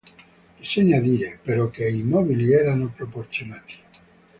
Bisogna dire però che i mobili erano proporzionati.